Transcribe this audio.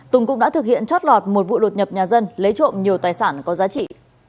tùng cũng đã thực hiện chót lọt một vụ đột nhập nhà dân lấy trộm nhiều tài sản có giá trị